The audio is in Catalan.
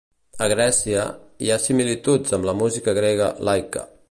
A Grècia, hi ha similituds amb la música grega "laika".